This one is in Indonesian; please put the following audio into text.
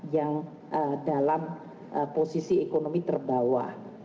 yang dalam posisi ekonomi terbawah